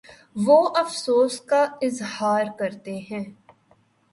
وہ افسوس کا اظہارکرتے ہیں